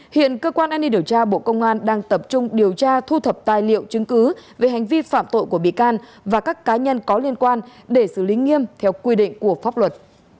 hiện cơ quan an ninh điều tra bộ công an đang tập trung điều tra thu thập tài liệu chứng cứ về hành vi phạm tội của bị can và các cá nhân có liên quan để xử lý nghiêm theo quy định của pháp luật